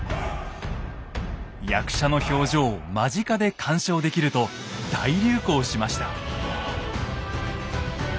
役者の表情を間近で鑑賞できると大流行しました。